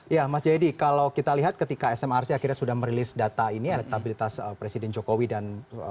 ya mas jayadi kalau kita lihat ketika smrc akhirnya sudah merilis data ini elektabilitas presiden jokowi dan